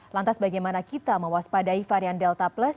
lantas bagaimana kita mewaspadai varian delta plus